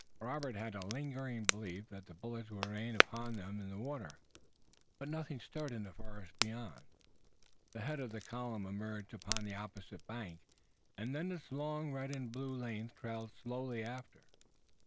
Robert had a lingering belief that the bullets would rain upon them in the water, but nothing stirred in the forest beyond. The head of the column emerged upon the opposite bank, and then its long red and blue length trailed slowly after.